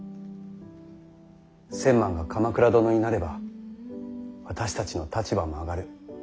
千幡が鎌倉殿になれば私たちの立場も上がる。